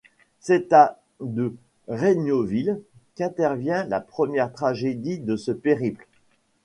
C’est à de Regneauville qu’intervient la première tragédie de ce périple.